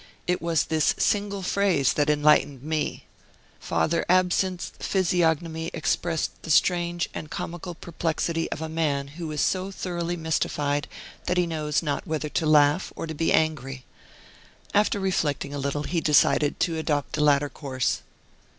It was this single phrase that enlightened me." Father Absinthe's physiognomy expressed the strange and comical perplexity of a man who is so thoroughly mystified that he knows not whether to laugh, or to be angry. After reflecting a little, he decided to adopt the latter course.